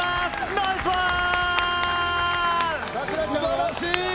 ナイスワーン！